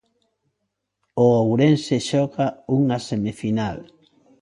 O Ourense xoga unha semifinal.